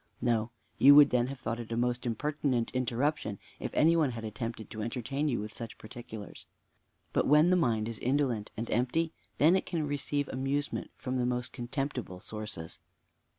No, you would then have thought it a most impertinent interruption, if any one had attempted to entertain you with such particulars. But when the mind is indolent and empty, then it can receive amusement from the most contemptible sources.